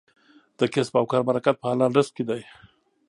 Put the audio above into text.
د کسب او کار برکت په حلال رزق کې دی.